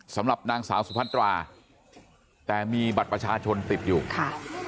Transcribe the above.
สำหรับนางสาวสุพัตราแต่มีบัตรประชาชนติดอยู่ค่ะ